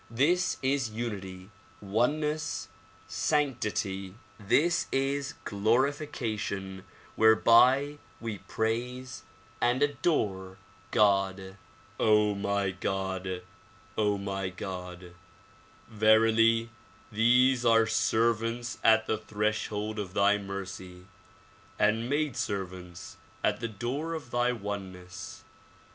This is unity, oneness, sanctity; this is glorification whereby we praise and adore God. my God! my God! Verily these are servants at the threshold of thy mercy, and maid servants at the door of thy oneness.